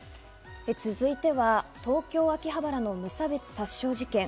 続いては東京・秋葉原の無差別殺傷事件。